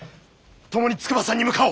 共に筑波山に向かおう。